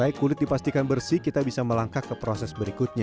baik kulit dipastikan bersih kita bisa melangkah ke proses berikutnya